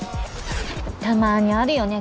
たまにあるよね